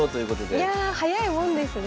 早いもんですね。